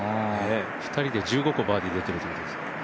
２人で１５個バーディーが出てるってことですね。